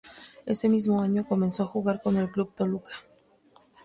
Ese mismo año, comenzó a jugar con el Club Toluca.